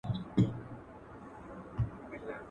زه مي ژاړمه د تېر ژوندون کلونه.